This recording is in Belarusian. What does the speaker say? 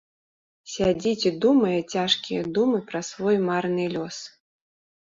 Сядзіць і думае цяжкія думы пра свой марны лёс.